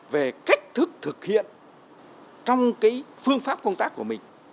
về cách thức thực hiện trong cái phương pháp công tác của mình